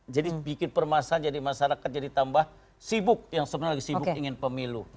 jadi bikin permasalahan jadi masyarakat jadi tambah sibuk yang sebenarnya lagi sibuk ingin pemilu